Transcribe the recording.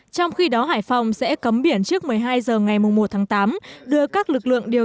trong khi đó hải phòng sẽ cấm biển trước một mươi hai h ngày một tháng tám đưa các lực lượng điều